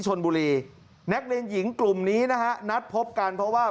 ชนบุรีนักเรียนหญิงกลุ่มนี้นะฮะนัดพบกันเพราะว่า